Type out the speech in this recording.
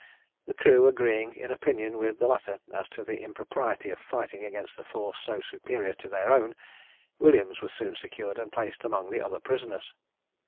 The crew agreeing in opinion with the latter as to the impropriety of fighting against a force so superior to their own, Williams was soon secured, and placed among the other prisoners.